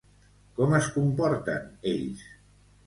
Com es comporten ells?